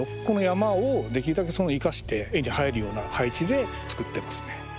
この山をできるだけ生かして画に入るような配置で作ってますね。